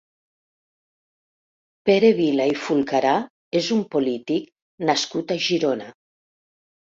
Pere Vila i Fulcarà és un polític nascut a Girona.